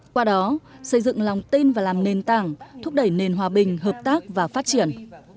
qua đó xây dựng lòng tin và làm nền tảng thúc đẩy nền hòa bình hợp tác và phát triển